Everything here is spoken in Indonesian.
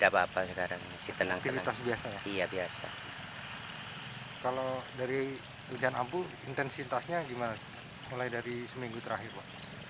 mulai dari seminggu terakhir pak